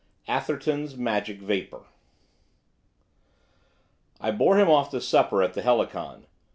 ATHERTON'S MAGIC VAPOUR I bore him off to supper at the Helicon.